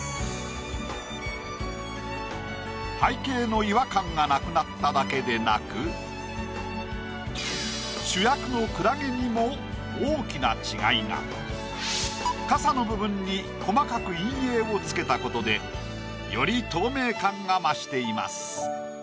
背景の違和感がなくなっただけでなく主役の傘の部分に細かく陰影を付けたことでより透明感が増しています。